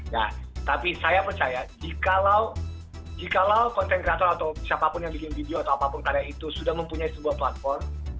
nah tapi saya percaya jikalau content creator atau siapapun yang bikin video atau apapun karya itu sudah mempunyai sebuah platform